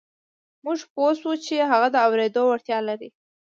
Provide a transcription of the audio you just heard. موږ پوه شوو چې هغه د اورېدو وړتيا لري.